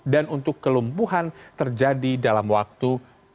dan untuk kelumpuhan terjadi dalam waktu tujuh